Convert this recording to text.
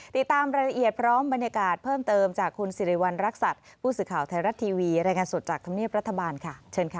ติดตามรายละเอียดพร้อมบรรยากาศเพิ่มเติมจากคุณสิริวัณรักษัตริย์ผู้สื่อข่าวไทยรัฐทีวีรายงานสดจากธรรมเนียบรัฐบาลค่ะเชิญค่ะ